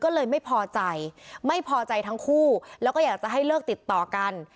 ก็เลยไม่พอใจไม่พอใจทั้งคู่แล้วก็อยากจะให้เลิกติดต่อกัน